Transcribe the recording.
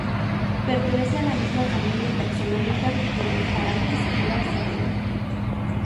Pertenece a la misma familia taxonómica de los arenques y las sardinas.